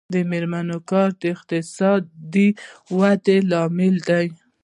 د میرمنو کار د اقتصادي ودې لامل دی.